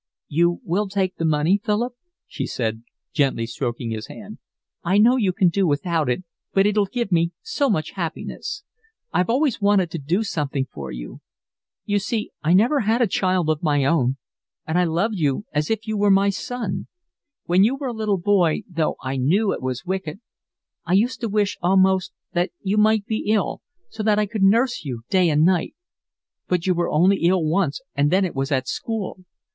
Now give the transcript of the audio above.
"You will take the money, Philip?" she said, gently stroking his hand. "I know you can do without it, but it'll give me so much happiness. I've always wanted to do something for you. You see, I never had a child of my own, and I've loved you as if you were my son. When you were a little boy, though I knew it was wicked, I used to wish almost that you might be ill, so that I could nurse you day and night. But you were only ill once and then it was at school.